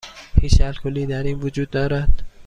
هیچ الکلی در این وجود دارد؟